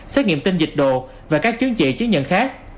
xét nghiệm tinh dịch đồ và các chứng chỉ chứng nhận khác